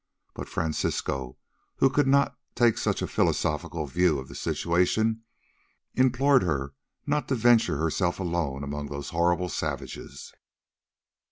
But Francisco, who could not take such a philosophical view of the situation, implored her not to venture herself alone among those horrible savages.